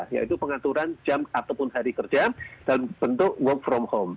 yaitu pengaturan jam ataupun hari kerja dalam bentuk work from home